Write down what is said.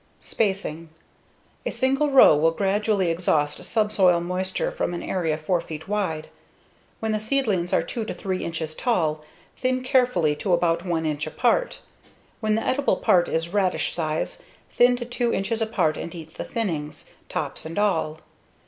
Spacing: A single row will gradually exhaust subsoil moisture from an area 4 feet wide. When the seedlings are 2 to 3 inches tall, thin carefully to about 1 inch apart. When the edible part is radish size, thin to 2 inches apart and eat the thinings, tops and all.